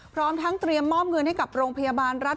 พร้อมทั้งเตรียมมอบเงินให้กับโรงพยาบาลรัฐ